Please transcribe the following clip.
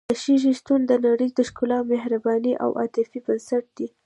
د ښځې شتون د نړۍ د ښکلا، مهربانۍ او عاطفې بنسټ دی.